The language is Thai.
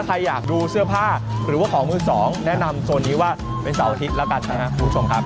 ใครอยากดูเสื้อผ้าหรือว่าของมือสองแนะนำโซนนี้ว่าเป็นเสาร์อาทิตย์แล้วกันนะครับคุณผู้ชมครับ